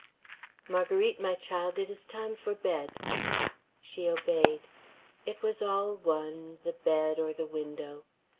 "Marguerite, my child, it is time for bed." She obeyed. It was all one, the bed or the window.